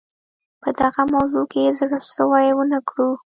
په دغه موضوع کې زړه سوی ونه کړو.